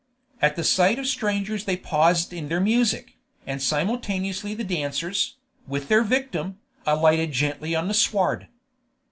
At the sight of strangers they paused in their music, and simultaneously the dancers, with their victim, alighted gently on the sward.